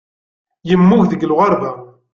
Yemmut deg lɣerba.